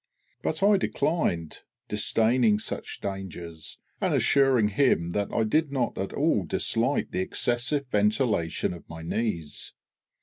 But I declined, disdaining such dangers, and assuring him that I did not at all dislike the excessive ventilation of my knees.